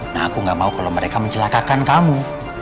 nah aku gak mau kalau mereka mencelakakan kamu